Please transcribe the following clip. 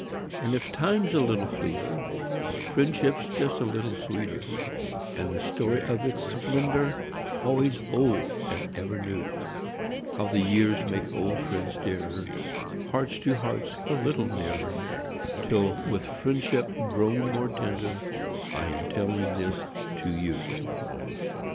y\AJD if time's a little / V fleeter, friendship s just a little sxx>eeter, And the storp o" its splendor AlvOaps old and eVer neu); Hovc> the pears make old friends dearet~, Hearts to hearts a little nearer Till voith friendship pro>xm more tender I am tellina this to ou.